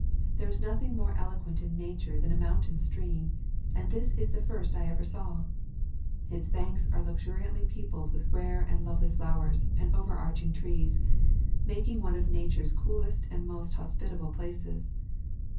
There is nothing more eloquent in Nature than a mountain stream, and this is the first I ever saw. Its banks are luxuriantly peopled with rare and lovely flowers and overarching trees, making one of Nature's coolest and most hos pitable places.